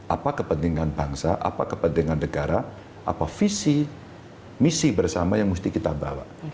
apa kepentingan bangsa apa kepentingan negara apa visi misi bersama yang mesti kita bawa